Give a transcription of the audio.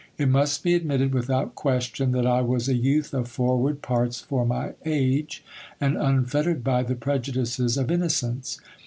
It must be admitted without question, that I was a youth of forward parts for my age, and unfettered by the prejudices of innocence.